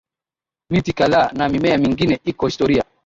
miti kadhaa na mimea mingine iko Historia